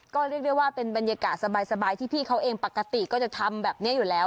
ก็เรียกได้ว่าเป็นบรรยากาศสบายที่พี่เขาเองปกติก็จะทำแบบนี้อยู่แล้ว